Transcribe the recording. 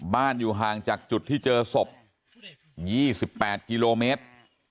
อยู่ห่างจากจุดที่เจอศพ๒๘กิโลเมตร